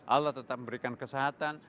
allah tetap memberikan kesehatan